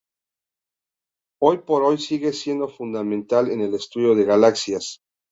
Hoy por hoy, sigue siendo fundamental en el estudio de galaxias.